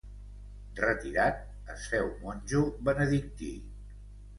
Retirat, es féu monjo benedictí.